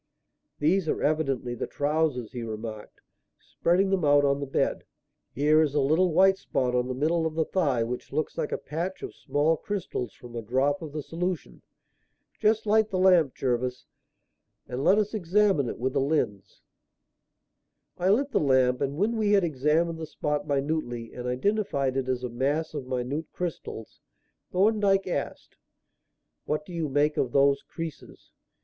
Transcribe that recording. "These are evidently the trousers," he remarked, spreading them out on the bed. "Here is a little white spot on the middle of the thigh which looks like a patch of small crystals from a drop of the solution. Just light the lamp, Jervis, and let us examine it with a lens." I lit the lamp, and when we had examined the spot minutely and identified it as a mass of minute crystals, Thorndyke asked: "What do you make of those creases?